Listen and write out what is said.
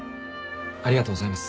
ありがとうございます。